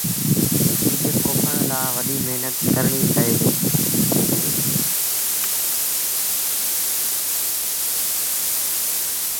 ٻج پوکڻ لآ وڏيٚ مهنت ڪرڻيٚ پئي ديٚ